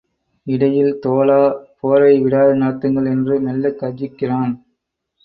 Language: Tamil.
இடையில் தோழா போரை விடாது நடத்துங்கள் என்று மெல்லக் கர்ஜிக்கிறான்.